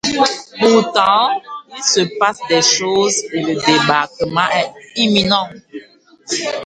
Pourtant, il se passe des choses et le débarquement est imminent.